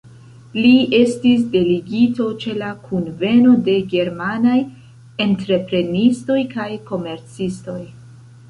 Li estis delegito ĉe la kunveno de germanaj entreprenistoj kaj komercistoj.